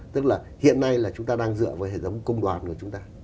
tức là hiện nay là chúng ta đang dựa vào hệ thống công đoàn của chúng ta